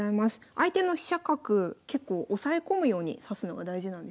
相手の飛車角結構押さえ込むように指すのが大事なんですね。